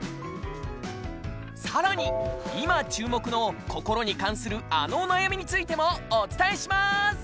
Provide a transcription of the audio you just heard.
さらに、いま注目の心に関するあのお悩みについてもお伝えしまーす。